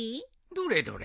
どれどれ。